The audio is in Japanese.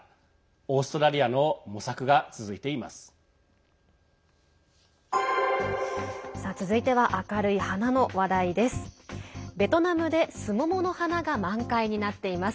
オーストラリアの模索が続いています。